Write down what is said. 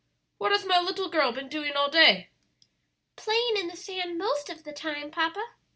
"What has my little girl been doing all day?" "Playing in the sand most of the time, papa.